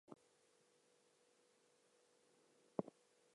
Additional buildings were added as the employee count grew.